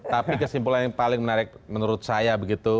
tapi kesimpulan yang paling menarik menurut saya begitu